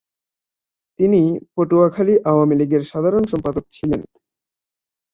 তিনি পটুয়াখালী আওয়ামী লীগের সাধারণ সম্পাদক ছিলেন।